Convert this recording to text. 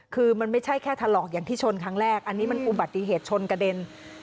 คือมันไม่ใช่แค่ถลอกอย่างที่ชนครั้งแรกอันนี้มันอุบัติเหตุชนกระเด็น